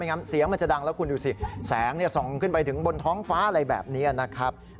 งั้นเสียงมันจะดังแล้วคุณดูสิแสงส่องขึ้นไปถึงบนท้องฟ้าอะไรแบบนี้นะครับ